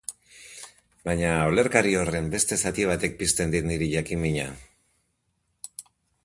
Baina, olerkari horren beste zati batek pizten dit niri jakin-mina.